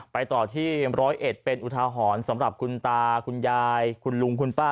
ไปต่อที่ร้อยเอ็ดเป็นอุทาหรณ์สำหรับคุณตาคุณยายคุณลุงคุณป้า